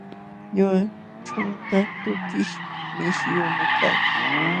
Ñuqa ćhunka tukish mishiyuqmi kaa.